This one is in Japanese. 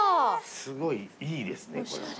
すごい。いいですねこれは。